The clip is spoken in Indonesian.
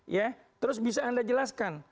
ya terus bisa anda jelaskan